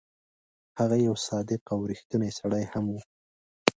هغه یو صادق او ریښتونی سړی هم وو.